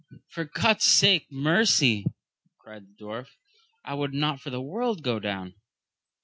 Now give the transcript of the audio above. For God's sake mercy! cried the dwarf, I would not for the world go down.